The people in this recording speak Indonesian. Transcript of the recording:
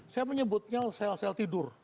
saya menyebutnya sel sel tidur